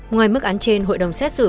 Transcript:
ngoài mức án trên hội đồng xét xử